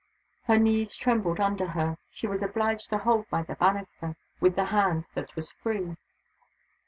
Her knees trembled under her. She was obliged to hold by the banister, with the hand that was free.